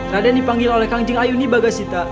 raden dipanggil oleh kang jing ayuni bagasita